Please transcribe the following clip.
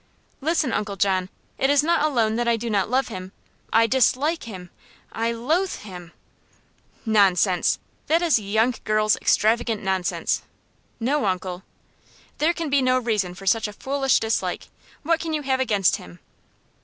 "Listen, Uncle John. It is not alone that I do not love him. I dislike him I loathe him." "Nonsense! that is a young girl's extravagant nonsense." "No, uncle." "There can be no reason for such a foolish dislike. What can you have against him?"